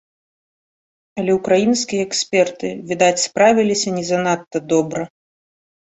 Але ўкраінскія эксперты, відаць, справіліся не занадта добра.